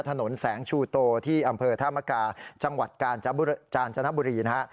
ถนนแสงชูโตที่อำเภอธามกาจังหวัดกาญจนบุรีนะฮะ